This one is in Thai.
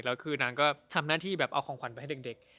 แล้วคือนางทำหน้าที่เอาขวัญไปให้เด็ก